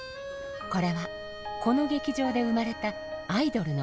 これはこの劇場で生まれたアイドルの物語。